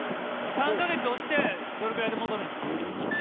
３か月で落ちてどれぐらいで戻るんですか？